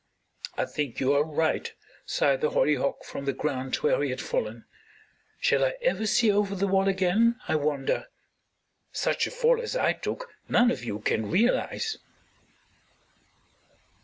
"I think you are right," sighed the hollyhock from the ground, where he had fallen. "Shall I ever see over the wall again, I wonder. Such a fall as I took none of you can realize."